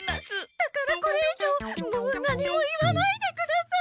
だからこれいじょうもう何も言わないでください。